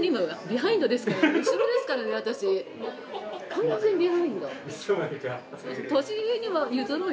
完全ビハインド。